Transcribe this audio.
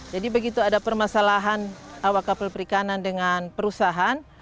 jadi begitu ada permasalahan awal kapal perikanan dengan perusahaan